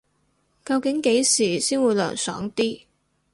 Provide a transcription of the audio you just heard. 究竟幾時先會涼爽啲